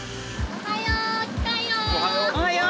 ・おはよう！